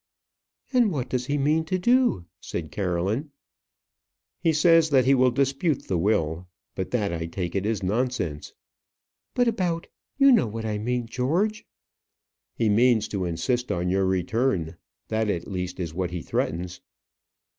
"And what does he mean to do?" said Caroline. "He says that he will dispute the will. But that, I take it, is nonsense." "But about you know what I mean, George?" "He means to insist on your return. That, at least, is what he threatens."